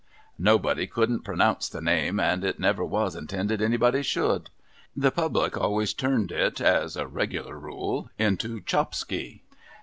Nobody couldn't pro nounce the name, and it never was intended anybody should. The jHiblic always turned it, as a regular rule, into Chopski.